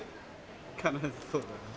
悲しそうだね。